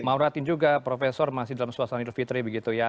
maaf lahir batin juga prof masih dalam suasana hidup fitri begitu ya